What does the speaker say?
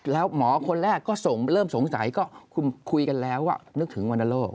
แล้วหมอคนแรกก็เริ่มสงสัยก็คุยกันแล้วว่านึกถึงวันทะโลก